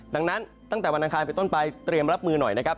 ดังนั้นตั้งแต่วันอังคารไปต้นไปเตรียมรับมือหน่อยนะครับ